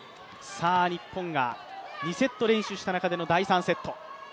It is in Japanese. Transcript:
日本が２セット連取した中での第３セット。